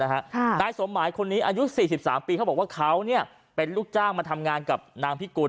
นายสมหมายคนนี้อายุ๔๓ปีเขาบอกว่าเขาเป็นลูกจ้างมาทำงานกับนางพิกุล